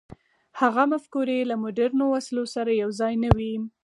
هغه مفکورې له مډرنو وسلو سره یو ځای نه وې.